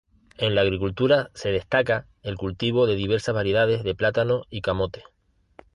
En la Agricultura se destaca el cultivo de diversas variedades de plátano y camote.